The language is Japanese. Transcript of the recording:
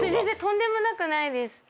とんでもなくないです。